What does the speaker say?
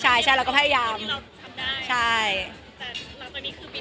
ใช่ใช่เราก็พยายามที่เราทำได้ใช่แต่หลังจากนี้คือมี